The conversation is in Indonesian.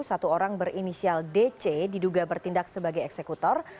satu orang berinisial dc diduga bertindak sebagai eksekutor